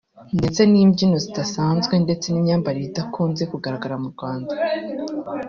ndetse n’ imbyino zidasanzwe ndetse n’ imyambarire idakunze kugaragara mu Rwanda